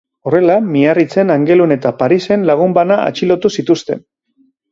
Horrela, Miarritzen, Angelun eta Parisen lagun bana atxilotu zituzten.